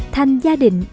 thành gia định